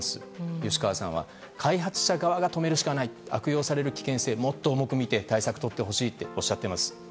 吉川さんは、開発者側が止めるしかない。悪用される危険性をもっと重く見て対策をとってほしいとおっしゃっています。